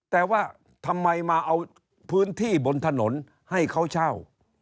แต่ว่าทำไมมาเอาพื้นที่บนถนนให้เขาเช่า